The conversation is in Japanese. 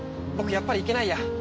僕やっぱり行けないや。